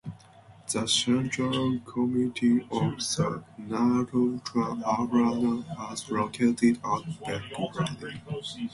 The Central Committee of the Narodna Odbrana was located at Belgrade.